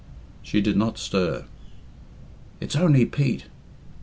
She did not stir. "It's only Pete."